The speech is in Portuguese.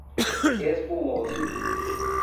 Espumoso